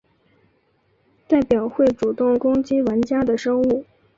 代表会主动攻击玩家的生物。